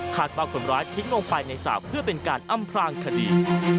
ว่าคนร้ายทิ้งลงไปในสระเพื่อเป็นการอำพลางคดี